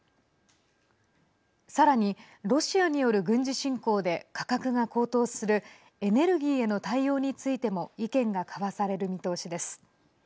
さらに、ロシアによる軍事侵攻で価格が高騰するエネルギーへの対応についても意見が交わされる見通しです。